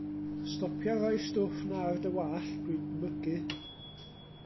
Stopia roi'r stwff 'na ar dy wallt, dw i'n mygu.